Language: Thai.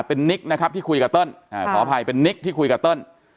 เป็นนิกนะครับที่คุยกับเติ้ลขออภัยเป็นนิกที่คุยกับเติ้ล